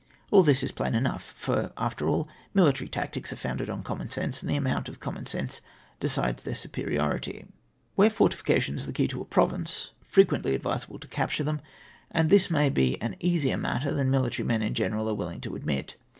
All this is plain enough ; for, after all, military tactics are founded on common sense, and the amount of common sense decides then superiority. Wliere fortifications are the key to a province, frequently advisable to capture them, and this may be an easier matter than mihtary men in general are wilhng to admit.